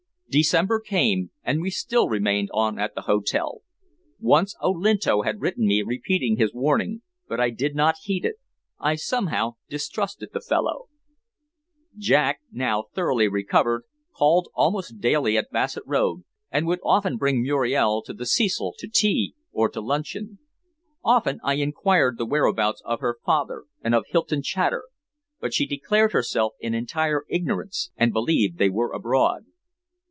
December came, and we still remained on at the hotel. Once Olinto had written me repeating his warning, but I did not heed it. I somehow distrusted the fellow. Jack, now thoroughly recovered, called almost daily at Bassett Road, and would often bring Muriel to the Cecil to tea or to luncheon. Often I inquired the whereabouts of her father and of Hylton Chater, but she declared herself in entire ignorance, and believed they were abroad.